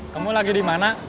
kamu lagi di mana